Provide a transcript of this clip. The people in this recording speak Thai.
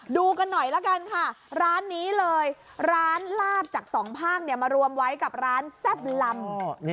ดูกันหน่อยละกันค่ะร้านนี้เลยร้านลาบจากสองภาคมารวมไว้กับร้านแซ่บลำ